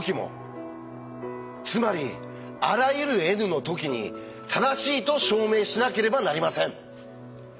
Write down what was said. つまりあらゆるｎの時に正しいと証明しなければなりません。